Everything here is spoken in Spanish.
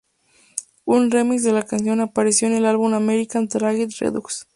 Un remix de la canción apareció en el álbum American Tragedy Redux.